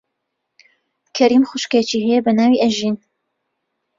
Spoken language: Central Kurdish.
کەریم خوشکێکی هەیە بە ناوی ئەژین.